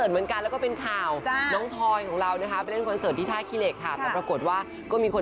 มีคนก็ออก